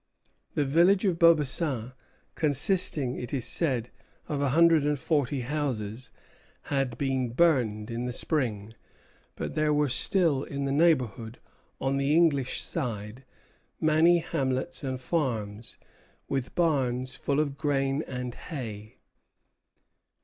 The village of Beaubassin, consisting, it is said, of a hundred and forty houses, had been burned in the spring; but there were still in the neighborhood, on the English side, many hamlets and farms, with barns full of grain and hay.